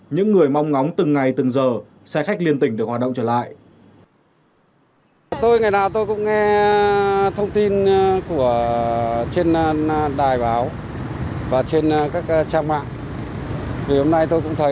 những người mong ngóng từng ngày từng giờ xe khách liên tỉnh được hoạt động trở lại